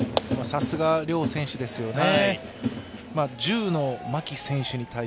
さすが両選手ですよね。